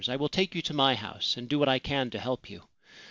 I will take you to my house, and do what I can to help you.